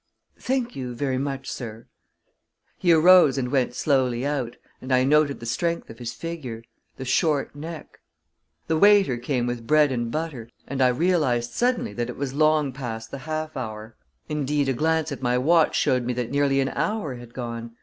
"Thank you, ver' much, sir." He arose and went slowly out, and I noted the strength of his figure, the short neck The waiter came with bread and butter, and I realized suddenly that it was long past the half hour. Indeed, a glance at my watch showed me that nearly an hour had gone.